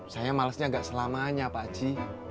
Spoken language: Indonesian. saya malesnya agak selamanya pak aji